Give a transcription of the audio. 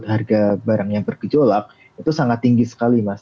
harga barang yang bergejolak itu sangat tinggi sekali mas